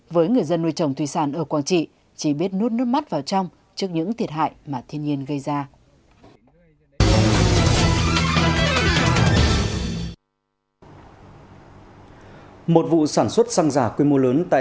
với người dân nuôi trồng thủy sản ở quảng trị chỉ biết nốt nước mắt vào trong trước những thiệt hại mà thiên nhiên gây ra